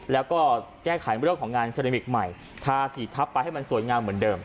แล้วก็แก้ไขเรื่องของงานเซเดมิกใหม่ทาสีทับไปให้มันสวยงามเหมือนเดิม